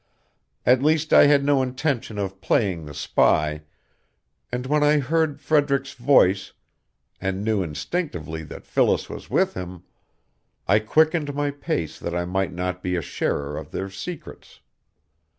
At least I had no intention of playing the spy, and when I heard Frederick's voice, and knew instinctively that Phyllis was with him, I quickened my pace that I might not be a sharer of their secrets.